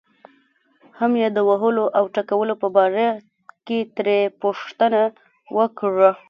هم یې د وهلو او ټکولو په باره کې ترې پوښتنه وکړه.